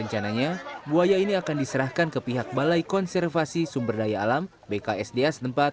rencananya buaya ini akan diserahkan ke pihak balai konservasi sumber daya alam bksda setempat